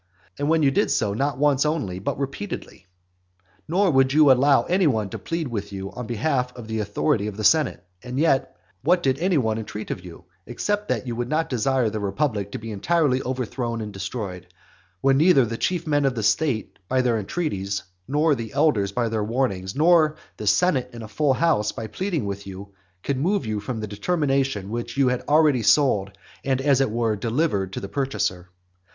and when you did so, not once only, but repeatedly? nor would you allow any one to plead with you in behalf of the authority of the senate; and yet, what did any one entreat of you, except that you would not desire the republic to be entirely overthrown and destroyed; when neither the chief men of the state by their entreaties, nor the elders by their warnings, nor the senate in a full house by pleading with you, could move you from the determination which you had already sold and as it were delivered to the purchaser?